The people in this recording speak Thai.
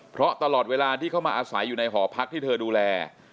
เพราะตลอดเวลาที่เขามาอาศัยอยู่ในหอพักที่เธอดูแล